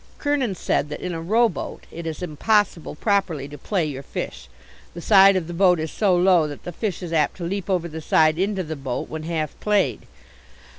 Kernin said that in a row boat it is impossible properly to "play" your fish. The side of the boat is so low that the fish is apt to leap over the side into the boat when half "played."